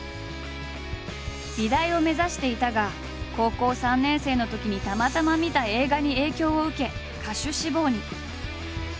美大を目指していたが高校３年生のときにたまたま見た映画に影響を受け歌手志望に。